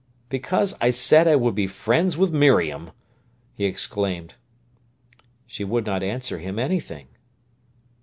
"Because I said I would be friends with Miriam!" he exclaimed. She would not answer him anything.